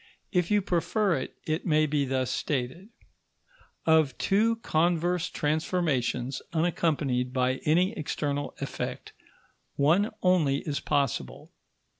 If you prefer it, it may be thus stated: Of two converse transformations unaccompanied by any external effect, one only is possible.